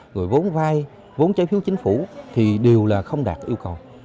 rồi vốn vai vốn trái phiếu chính phủ thì đều là không đạt yêu cầu